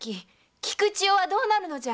菊千代はどうなるのじゃ？